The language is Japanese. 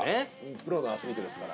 プロのアスリートですから。